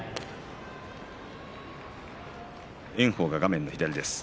炎鵬が画面の左です。